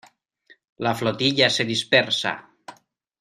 la flotilla se dispersa.